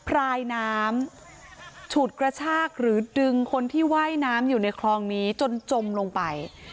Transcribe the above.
พลายน้ำฉุดกระชากหรือดึงคนที่ว่ายน้ำอยู่ในคลองนี้จนจมลงไป